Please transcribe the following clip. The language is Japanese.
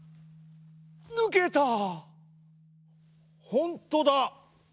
ほんとだ！